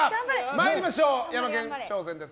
参りましょうヤマケンの挑戦です。